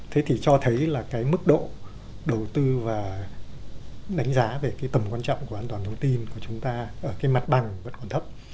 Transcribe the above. thế thì cho thấy là cái mức độ đầu tư và đánh giá về cái tầm quan trọng của an toàn thông tin của chúng ta ở cái mặt bằng vẫn còn thấp